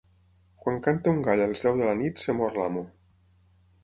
Quan canta un gall a les deu de la nit, es mor l'amo.